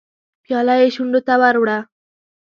پياله يې شونډو ته ور وړه.